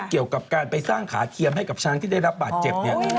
เกี่ยวกับการไปสร้างขาเทียมให้กับช้างที่ได้รับบาดเจ็บเนี่ย